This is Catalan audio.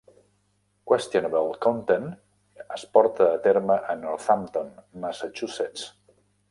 "Questionable Content" es porta a terme a Northampton, Massachusetts.